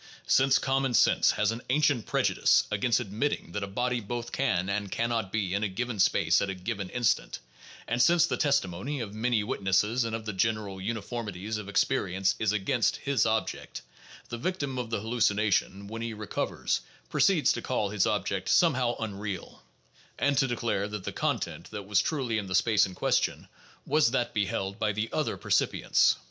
Since common sense has an ancient prejudice against admitting that a body both can and can not be in a given space at a given instant, and since the testi mony of many witnesses and of the general uniformities of experi ence is against his object, the victim of the hallucination, when he recovers, proceeds to call his object somehow "unreal," and to de clare that the "content" that was truly in the space in question was that beheld by the other percipients.